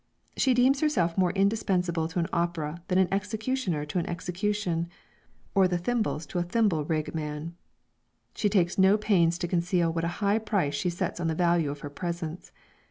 She deems herself more indispensable to an opera than an executioner to an execution, or the thimbles to a thimble rig man. She takes no pains to conceal what a high price she sets on the value of her presence.